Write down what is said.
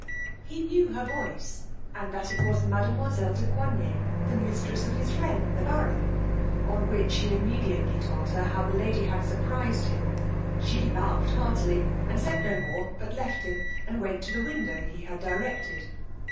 he knew her voice, and that it was mademoiselle de Coigney, the mistress of his friend the baron, on which he immediately told her how the lady had surprized him: she laughed heartily, and said no more but left him, and went to the window he had directed.